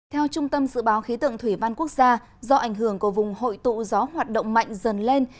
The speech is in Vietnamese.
theo trung tâm dự báo khí tượng thủy văn quốc gia do ảnh hưởng của vùng hội tụ gió hoạt động mạnh dần lên